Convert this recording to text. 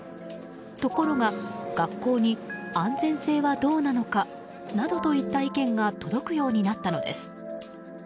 ところが学校に、安全性はどうなのかなどといった意見が届くようになったのです。